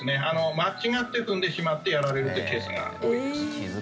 間違って踏んでしまってやられるというケースが多いです。